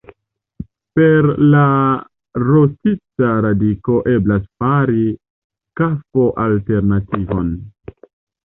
Per la rostita radiko eblas fari kafo-alternativon.